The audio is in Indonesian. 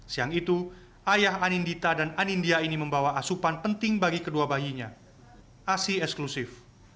siang itu ayah anindita dan anindya ini membawa asupan penting bagi kedua bayinya asi eksklusif